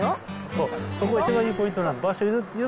そこが一番いいポイントなんだよ。